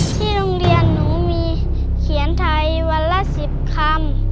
ที่โรงเรียนหนูมีเขียนไทยวันละ๑๐คำ